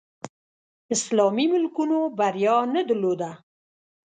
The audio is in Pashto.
اسلامي ملکونو بریا نه درلوده